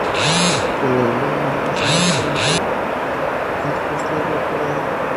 Puede haber una relación máxima entre la disponibilidad y el costo de propiedad.